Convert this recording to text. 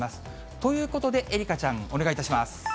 ということで、愛花ちゃん、お願いいたします。